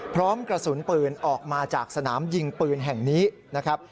พร้อมกระสุนปืนออกมาจากสนามยิงปืนแห่งนี้นะครับ